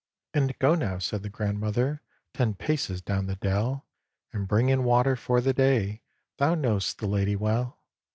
"And go now," said the grandmother, "Ten paces down the dell, And bring in water for the day Thou know'st the Lady well."